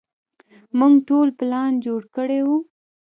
موږ ټول پلان جوړ کړى و.